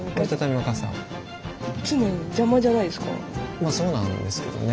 まあそうなんですけどね。